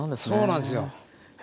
そうなんですよ。